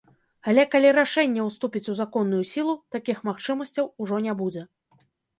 Але калі рашэнне ўступіць у законную сілу, такіх магчымасцяў ужо не будзе.